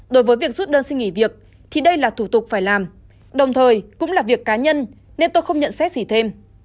đối với việc rút đơn xin nghỉ việc thì đây là thủ tục phải làm đồng thời cũng là việc cá nhân nên tôi không nhận xét gì thêm